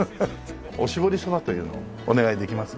おしぼりそばというのをお願いできます？